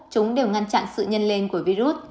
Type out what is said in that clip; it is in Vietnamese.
chúng đều ngăn chặn sự nhân lên của virus